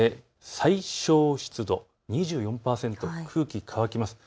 最小湿度２４％、空気が乾きます。